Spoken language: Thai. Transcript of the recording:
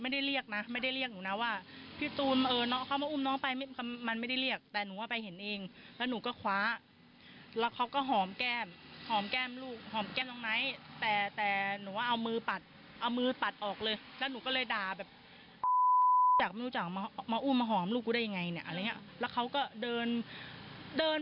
เดินไปเหมือนไม่มีอะไรเกิดขึ้นเดินยิ้ม